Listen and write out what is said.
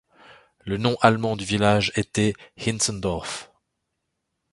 Le nom allemand du village était Hinzendorf.